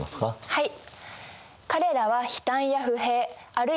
はい。